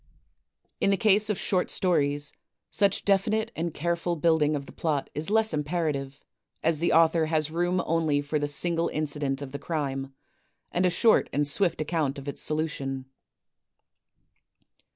In the case of short stories, such definite and careful build ing of the plot is less imperative, as the author has room only for the single incident of the crime, and a short and swift account of its solution.